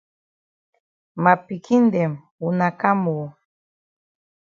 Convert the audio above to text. Ma pikin dem wuna kam oo.